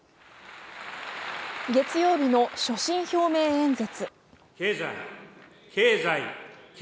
月曜日の所信表明演説。